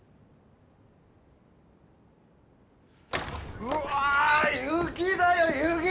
うわ雪だよ雪！